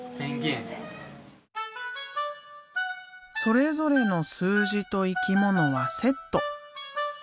それぞれの数字と生き物はセット。